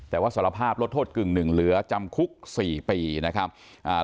แต่ว่าสารภาพลดโทษกึ่งหนึ่งเหลือจำคุกสี่ปีนะครับอ่า